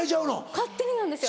勝手になんですよ。